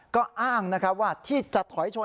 ก็อ้างว่าที่จะถอยชน